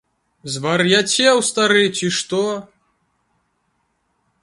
Звар'яцеў, стары, цi што?